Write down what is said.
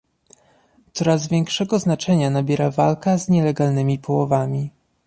Coraz większego znaczenia nabiera walka z nielegalnymi połowami